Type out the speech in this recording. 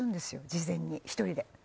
事前に１人で。